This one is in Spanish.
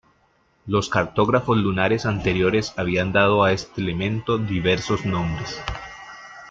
Los cartógrafos lunares anteriores habían dado a este elemento diversos nombres.